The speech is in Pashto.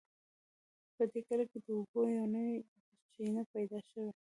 په دې کلي کې د اوبو یوه نوې چینه پیدا شوې